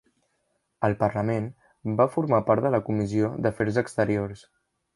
Al Parlament, va formar part de la Comissió d'Afers Exteriors.